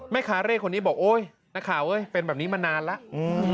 แม่ค้าเร่คนนี้บอกโอ๊ยนักข่าวเอ้ยเป็นแบบนี้มานานแล้ว